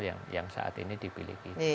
yang saat ini dipiliki